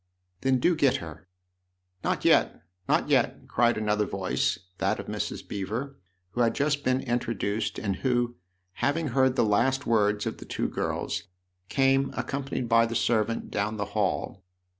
"Then do get her." " Not yet, not yet !" cried another voice that of Mrs. Beever, who had just been introduced and who, having heard the last words of the two girls, came, accompanied by the servant, down the hall.